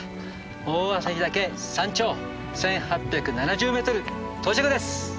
大朝日岳山頂１，８７０ｍ到着です！